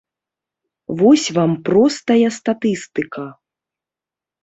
Вось вам простая статыстыка.